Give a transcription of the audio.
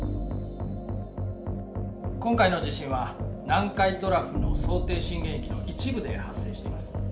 今回の地震は南海トラフの想定震源域の一部で発生しています。